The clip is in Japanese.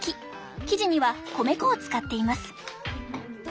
生地には米粉を使っています。